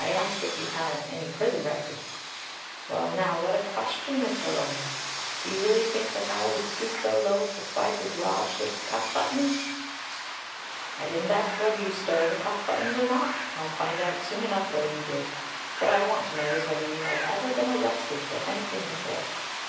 "I asked if you had any prison record." "Well, now, what a question, Mr. 'Olmes! Do you really think that Hi would stoop so low as to swipe 'Is Lawdship's cuff buttons?" "I didn't ask you whether you stole the cuff buttons or not. I'll find out soon enough whether you did. What I want to know is whether you have ever been arrested for anything before."